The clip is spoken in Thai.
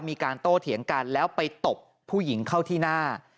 มีการโต้เถียงกันแล้วไปตบผู้หญิงเข้าที่หน้า